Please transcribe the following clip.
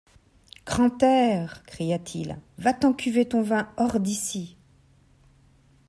Grantaire! cria-t-il, va-t’en cuver ton vin hors d’ici.